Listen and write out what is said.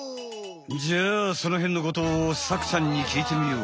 じゃあそのへんのことをサクさんにきいてみよう。